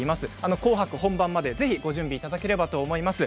「紅白」本番までにぜひご準備いただければと思います。